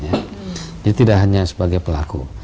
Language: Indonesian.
jadi tidak hanya sebagai pelaku